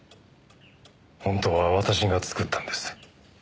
本当は私が作ったんです。